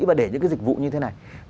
và để những cái dịch vụ như thế này